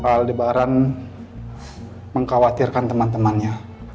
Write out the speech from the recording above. pak aldebaran mengkhawatirkan teman temannya